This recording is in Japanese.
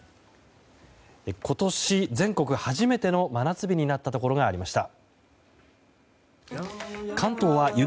今年、全国初めての真夏日になったところがありました。